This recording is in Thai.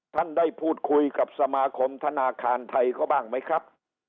ท่านได้พูดคุยกับสมาคมธนาคารไทยเขาบ้างไหมครับ